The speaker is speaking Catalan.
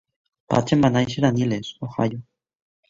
Patchen va néixer a Niles (Ohio).